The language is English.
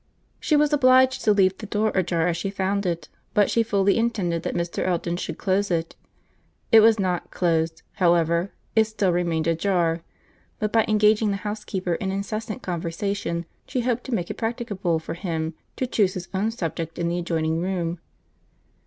She was obliged to leave the door ajar as she found it; but she fully intended that Mr. Elton should close it. It was not closed, however, it still remained ajar; but by engaging the housekeeper in incessant conversation, she hoped to make it practicable for him to chuse his own subject in the adjoining room.